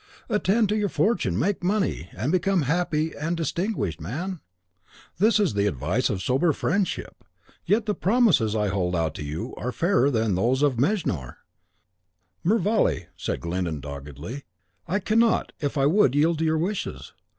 Attend to your fortune, make money, and become a happy and distinguished man. This is the advice of sober friendship; yet the promises I hold out to you are fairer than those of Mejnour." "Mervale," said Glyndon, doggedly, "I cannot, if I would, yield to your wishes.